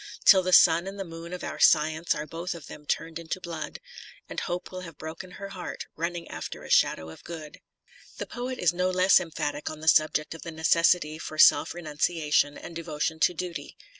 Till the Sun and the Moon of our science are both of them turned into blood, And Hope will have broken her heart, running after a shadow of good.t '" In Memoriam," line 21. t "Despair." 250 TENNYSON The poet is no less emphatic on the subject of the necessity for self renunciation and devotion to duty.